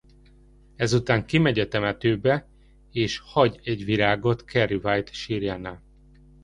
Ezután kimegy a temetőbe és hagy egy virágot Carrie White sírjánál.